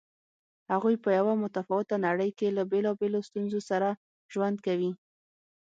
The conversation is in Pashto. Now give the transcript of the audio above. هغوی په یوه متفاوته نړۍ کې له بېلابېلو ستونزو سره ژوند کوي.